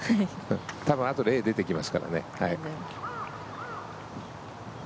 多分あとで画が出てきますからね。